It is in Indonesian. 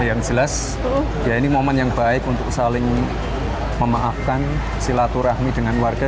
yang jelas ya ini momen yang baik untuk saling memaafkan silaturahmi dengan warga